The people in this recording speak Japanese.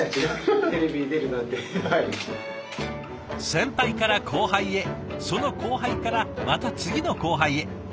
先輩から後輩へその後輩からまた次の後輩へ。